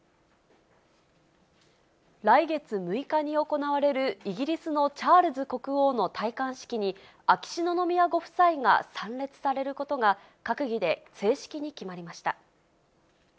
来月６日に行われるイギリスのチャールズ国王の戴冠式に、秋篠宮ご夫妻が参列されることが、閣議で正式に決まりました。